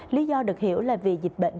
lý do được hiểu là vì dịch bệnh